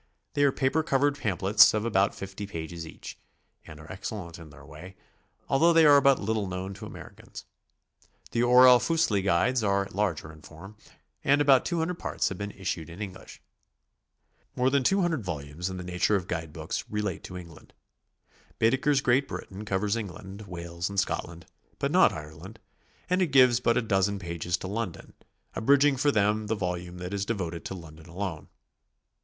They are paper covered pamphlets of about 50 'pages each, and are excellent in their way, although they are but little known to Americans. The Orell Fussli guides are larger in form, and about 200 parts have been issued in Eng lish. More than 200 volumes in the nature of guide books re late to England. Baedeker's Great Britain covers England, Wales and Scotland, but not Ireland; and it gives but a dozen pages to London, abridging for them the volume that is devoted to London alone.